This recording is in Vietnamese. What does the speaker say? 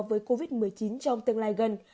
với covid một mươi chín trong tương lai gần